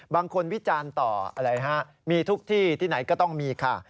บางคนวิจารณ์ต่อมีทุกที่ที่ไหนก็ต้องมีค่ะ